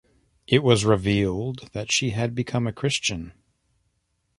It was revealed that she had become a Christian.